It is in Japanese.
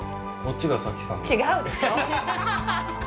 違うでしょ。